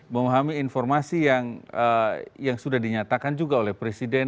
memahami informasi yang sudah dinyatakan juga oleh presiden